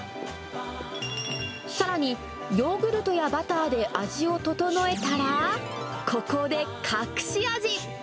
さらに、ヨーグルトやバターで味を調えたら、ここで隠し味。